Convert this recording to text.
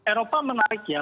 ya eropa menarik ya